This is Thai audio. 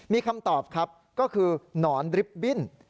มีคำตอบครับก็คือหนอนริบบิ้น